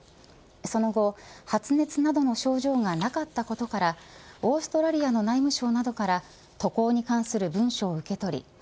その後、発熱などの症状がなかったことからオーストラリアの内務省などから渡航に関する文書を受け取り